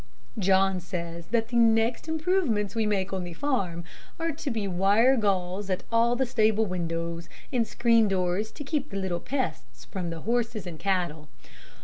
John says that the next improvements we make on the farm are to be wire gauze at all the stable windows and screen doors to keep the little pests from the horses and cattle.